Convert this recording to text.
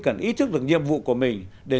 cần ý thức được nhiệm vụ của mình để